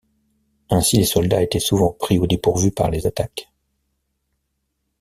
Ainsi les soldats étaient souvent pris au dépourvu par les attaques.